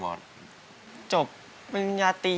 อันดับนี้เป็นแบบนี้